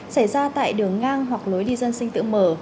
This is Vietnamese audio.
xảy ra tại đường ngang hoặc lối đi dân sinh tự mở